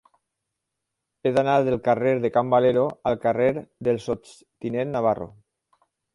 He d'anar del carrer de Can Valero al carrer del Sots tinent Navarro.